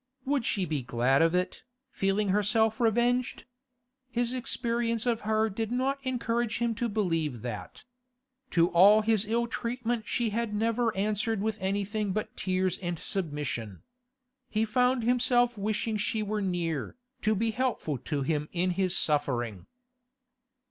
Would she be glad of it, feeling herself revenged? His experience of her did not encourage him to believe that. To all his ill treatment she had never answered with anything but tears and submission. He found himself wishing she were near, to be helpful to him in his suffering.